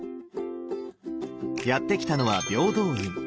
やって来たのは平等院。